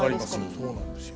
そうなんですよ。